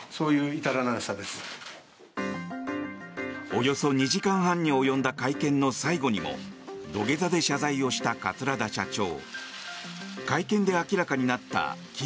およそ２時間半に及んだ会見の最後にも土下座で謝罪をした桂田社長。